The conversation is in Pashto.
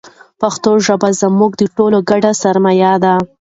پښتو ژبه زموږ د ټولو ګډه سرمایه ده.